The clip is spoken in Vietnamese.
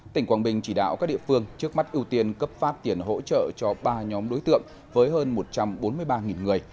tỉnh quảng bình chỉ đạo các địa phương trước mắt ưu tiên cấp phát tiền hỗ trợ cho ba nhóm đối tượng với hơn một trăm bốn mươi ba người